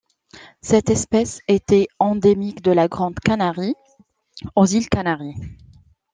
Cette espèce était endémique de la Grande Canarie aux îles Canaries.